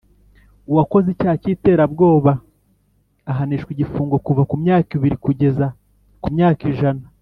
uwakoze icyaha cy iterabwoba ahanishwa igifungo kuva ku myaka ibiri kugeza ku myaka ijana